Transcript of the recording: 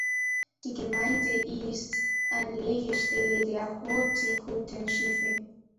Die Gemeinde ist Anlegestelle der Hurtigruten-Schiffe.